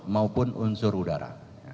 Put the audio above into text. maupun unsur udara